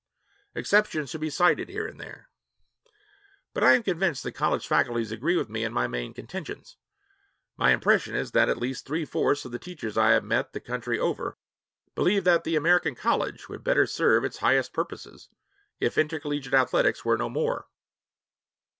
Exceptions should be cited here and there. But I am convinced that college faculties agree with me in my main contentions. My impression is that at least three fourths of the teachers I have met the country over believe that the American college would better serve its highest purposes, if intercollegiate athletics were no more.